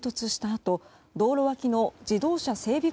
あと道路脇の自動車整備